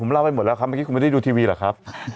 เล่าไปหมดแล้วครับเมื่อกี้คุณไม่ได้ดูทีวีหรอกครับ